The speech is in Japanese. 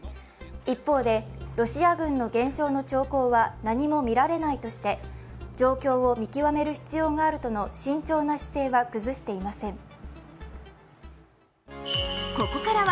一方で、ロシア軍の減少の傾向は何も見られないとして、状況を見極める必要があるとの慎重な姿勢は崩していません。